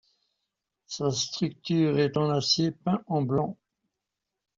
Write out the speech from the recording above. Sa structure est en acier peint en blanc.